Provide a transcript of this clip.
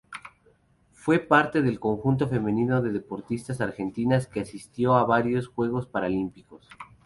Fue parte del conjunto femenino de deportistas argentinas que asistió a varios Juegos Paralímpicos.